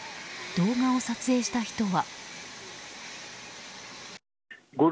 動画を撮影した人は。